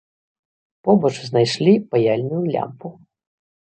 Побач знайшлі паяльную лямпу.